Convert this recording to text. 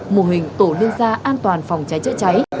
mô hình tổ liên gia an toàn phòng cháy chữa cháy